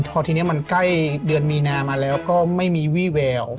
พอทีนี้มันใกล้เดือนมีนามาแล้วก็ไม่มีวี่แวว